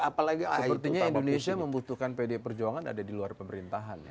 artinya indonesia membutuhkan pdi perjuangan ada di luar pemerintahan